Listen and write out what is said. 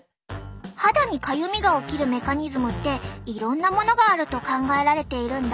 肌にかゆみが起きるメカニズムっていろんなものがあると考えられているんだ。